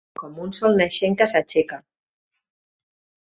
Com un sol naixent que s'aixeca